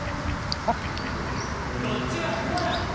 こっちはコアラ！